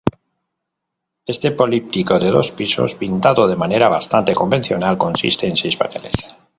Este políptico de dos pisos, pintado de manera bastante convencional, consiste en seis paneles.